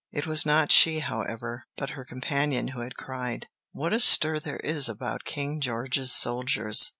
It was not she, however, but her companion who had cried, "What a stir there is about King George's soldiers!"